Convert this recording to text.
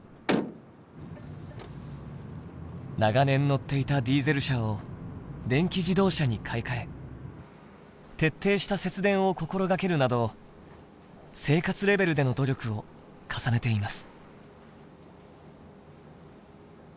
長年乗っていたディーゼル車を電気自動車に買い換え徹底した節電を心がけるなど生活レベルでの努力を重ねています。